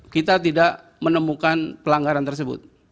kita tidak menemukan pelanggaran tersebut